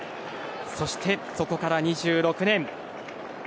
そしてそこから２６年。